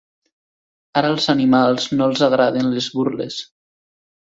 Ara als animals no els agraden les burles.